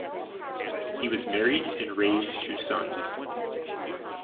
He was married and raised two sons.